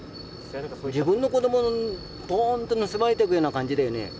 自分の子どもをぽーんと盗まれていくような感じだよね。